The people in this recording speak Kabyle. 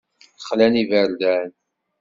Xlan iberdan.